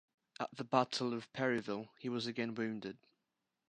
At the Battle of Perryville, he was again wounded.